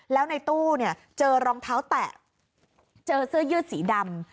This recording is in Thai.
แล้วในตู้เนี่ยเจอรองเท้าแตะเจอเสื้อยืดสีดำ